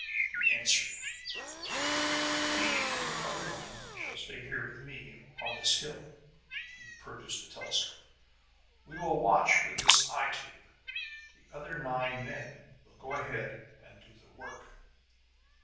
He answered: "Ye and the other woman shall stay here with me, on this hill." He produced a telescope. "We will watch with this eye tube. The other nine men will go ahead and do the work."